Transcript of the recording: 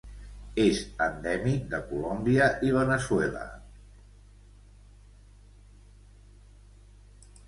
És endèmic de Colòmbia i Veneçuela.